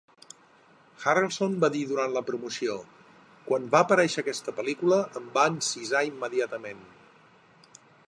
Harrelson va dir durant la promoció: Quan va aparèixer aquesta pel·lícula, em va encisar immediatament.